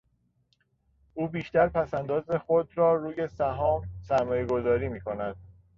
او بیشتر پس انداز خود را روی سهام سرمایهگذاری میکند.